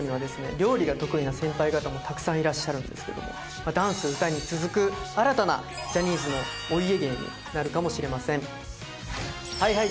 料理が得意な先輩方もたくさんいらっしゃるんですけどもダンス歌に続く新たなジャニーズのお家芸になるかもしれません。